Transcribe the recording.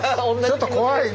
ちょっと怖いな。